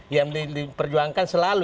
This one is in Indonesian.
yang diperjuangkan selalu